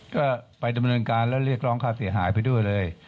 ก็ไปดำเนินการแล้วเรียกร้องค่าเสียหายไปด้วยเลย